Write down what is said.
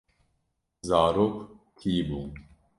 Zarok tî bûn.